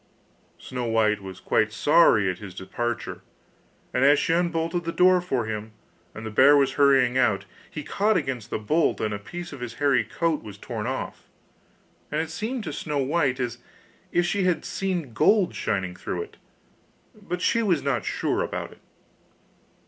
Snow white was quite sorry at his departure, and as she unbolted the door for him, and the bear was hurrying out, he caught against the bolt and a piece of his hairy coat was torn off, and it seemed to Snow white as if she had seen gold shining through it, but she was not sure about it.